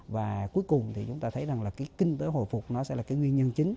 và cuối cùng chúng ta thấy kinh tế hồi phục sẽ là nguyên nhân chính